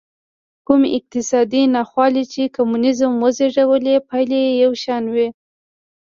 کومې اقتصادي ناخوالې چې کمونېزم وزېږولې پایلې یې یو شان وې.